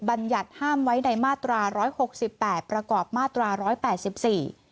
บรรยัติห้ามไว้ในมาตราร้อยหกสิบแปดประกอบมาตราร้อยแปดสิบสี่